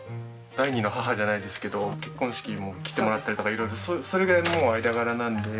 第二の母じゃないですけど結婚式も来てもらったりとかいろいろそれぐらいの間柄なので。